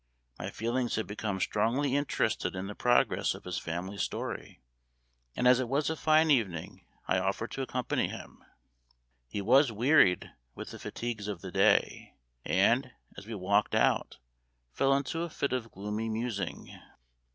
My feelings had become strongly interested in the progress of his family story, and, as it was a fine evening, I offered to accompany him. He was wearied with the fatigues of the day, and, as we walked out, fell into a fit of gloomy musing.